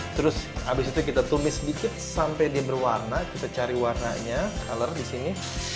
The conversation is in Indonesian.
terus habis itu kita tumis sedikit sampai diberwarna kita cari warnanya color disini